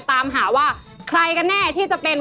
ตามหาว่าใครกันแน่ที่จะเป็น